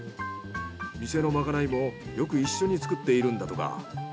店のまかないもよく一緒に作っているんだとか。